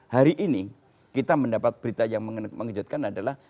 hari ini kita mendapat berita yang mengejutkan adalah